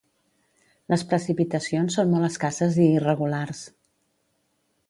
Les precipitacions són molt escasses i irregulars.